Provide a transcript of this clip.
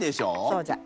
そうじゃ。